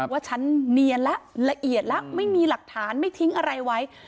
ว่าฉันเนียนแล้วละเอียดแล้วไม่มีหลักฐานไม่ทิ้งอะไรไว้